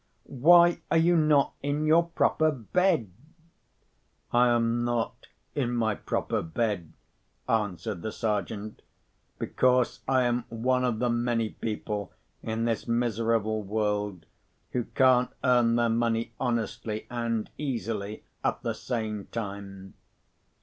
"Why are you not in your proper bed?" "I am not in my proper bed," answered the Sergeant, "because I am one of the many people in this miserable world who can't earn their money honestly and easily at the same time.